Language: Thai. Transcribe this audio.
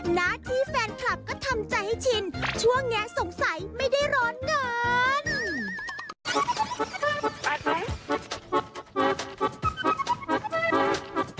หน้าที่แฟนคลับก็ทำใจให้ชินช่วงนี้สงสัยไม่ได้ร้อนเงิน